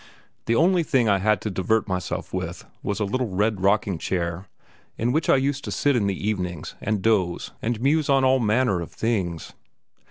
The only thing I had to divert myself with was a little red rocking chair, in which I used to sit in the evenings and doze and muse on all manner of things.